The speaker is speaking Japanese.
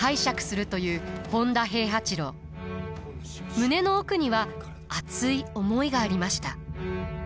胸の奥には熱い思いがありました。